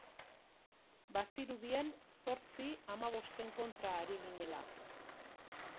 Bazirudien zortzi hamabosten kontra ari ginela.